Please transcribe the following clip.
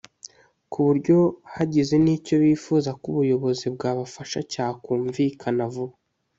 ku buryo hagize n’icyo bifuza ko ubuyobozi bwabafasha cyakumvikana vuba